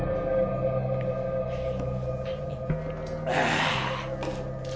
ああ！